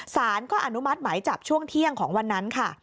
สารก็อนุมัติหมายจับช่วงเที่ยงของวันนั้นค่ะ